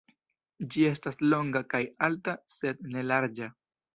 Ĝi estas longa kaj alta sed ne larĝa.